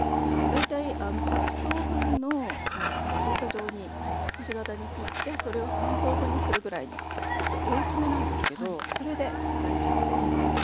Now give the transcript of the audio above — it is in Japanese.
大体８等分の放射状にくし形に切ってそれを３等分にするぐらいのちょっと大きめなんですけどそれで大丈夫です。